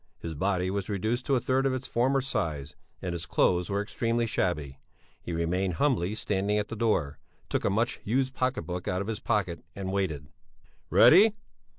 His body was reduced to a third of its former size, and his clothes were extremely shabby. He remained humbly standing at the door, took a much used pocket book out of his pocket and waited. "Ready?"